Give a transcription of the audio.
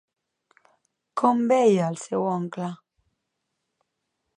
Com veia al seu oncle?